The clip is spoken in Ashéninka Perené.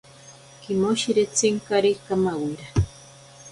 Kimoshiritsinkari kamawira.